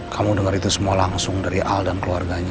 kamu denger itu semua langsung dari aldan keluarganya